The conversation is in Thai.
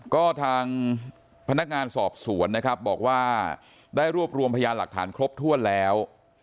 ก็ทางพนักงานสอบสวนนะครับบอกว่าได้รวบรวมพยานหลักฐานครบถ้วนแล้ว